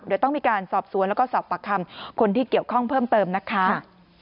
เดี๋ยวต้องมีการสอบสวนและสอบปากคำ